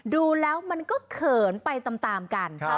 ดูแล้วมันก็เขินไปตามกัน